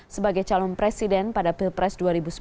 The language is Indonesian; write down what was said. sebagai calon presiden pada pilpres dua ribu sembilan belas